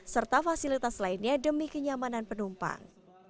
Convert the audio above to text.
serta fasilitas lainnya demi kenyamanan penumpang